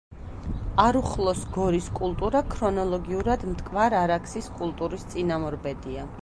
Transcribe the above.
არუხლოს გორის კულტურა ქრონოლოგიურად მტკვარ-არაქსის კულტურის წინამორბედია.